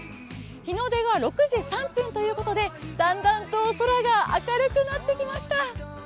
日の出は６時３分ということで、だんだんと空が明るくなってきました。